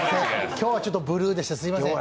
今日はちょっとブルーでした、申し訳ございません。